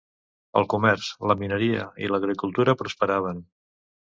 El comerç, la mineria i l'agricultura prosperaven.